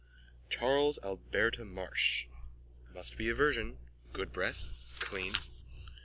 CHARLES ALBERTA MARSH: Must be virgin. Good breath. Clean.